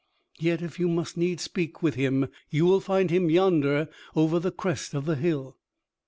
Yet, if you must needs speak with him, you will find him yonder over the crest of the hill."